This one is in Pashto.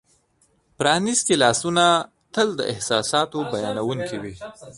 پرانیستي لاسونه : لاسونه تل د احساساتو بیانونکي وي.